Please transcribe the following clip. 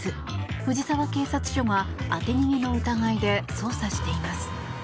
藤沢警察署が、当て逃げの疑いで捜査しています。